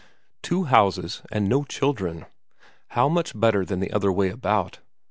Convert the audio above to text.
Two houses, and no children ; how much better than the other way about.